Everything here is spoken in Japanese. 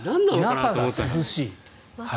中が涼しい。